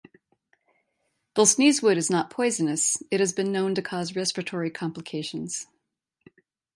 Though sneezewood is not poisonous, it has been known to cause respiratory complications.